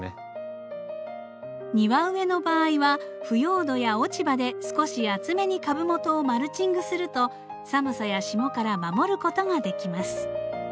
庭植えの場合は腐葉土や落ち葉で少し厚めに株元をマルチングすると寒さや霜から守ることができます。